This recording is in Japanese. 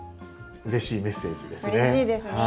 うれしいメッセージですね。